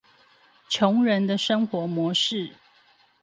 窮人的生活模式